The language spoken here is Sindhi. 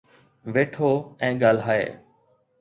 ويٺو ۽ ڳالهائي